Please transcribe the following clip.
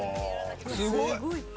すごい！